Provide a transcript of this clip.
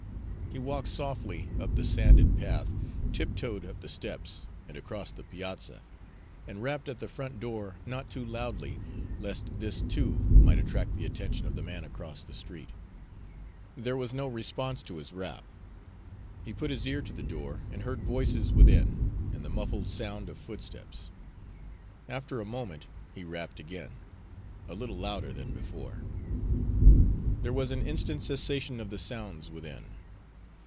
He walked softly up the sanded path, tiptoed up the steps and across the piazza, and rapped at the front door, not too loudly, lest this too might attract the attention of the man across the street. There was no response to his rap. He put his ear to the door and heard voices within, and the muffled sound of footsteps. After a moment he rapped again, a little louder than before. There was an instant cessation of the sounds within.